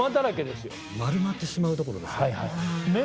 丸まってしまうところですね。